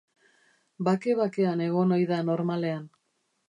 Bake-bakean egon ohi da normalean.